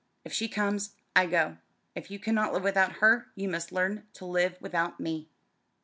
If she comes, I go. If you cannot live without her you must learn to live without me."